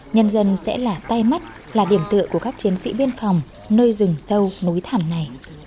nhân dân sẽ là tay mắt là điểm tựa của các chiến sĩ biên phòng nơi rừng sâu núi thảm này